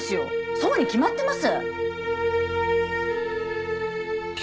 そうに決まってます！